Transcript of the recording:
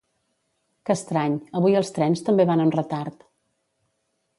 Que estrany, avui els trens també van amb retard